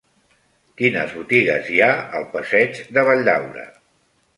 Quines botigues hi ha al passeig de Valldaura?